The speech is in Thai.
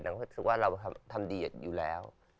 นางก็คิดว่าเราทำดีอยู่แล้ว